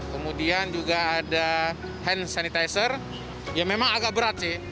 kemudian juga ada hand sanitizer yang memang agak berat sih